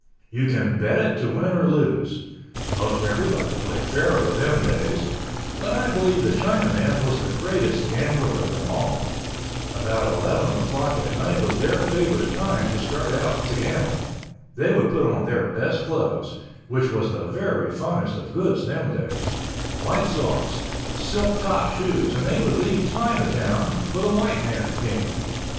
You can bet it to win or lose. Most everybody played faro them days—but I believe the Chinaman was the greatest gambler of them all. About 11 o'clock at night was their favorite time to start out to gamble. They would put on their best clothes—which was the very finest of goods them days—white socks, silk top shoes, and they would leave Chinatown for the white man's game.